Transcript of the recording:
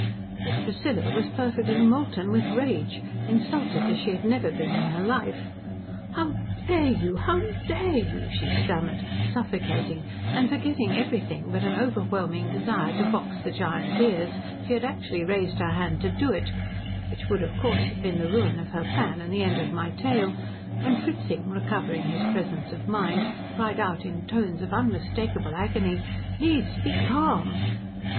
But Priscilla was perfectly molten with rage, insulted as she had never been in her life. "How dare you how dare you," she stammered, suffocating; and forgetting everything but an overwhelming desire to box the giant's ears she had actually raised her hand to do it, which would of course have been the ruin of her plan and the end of my tale, when Fritzing, recovering his presence of mind, cried out in tones of unmistakable agony, "Niece, be calm."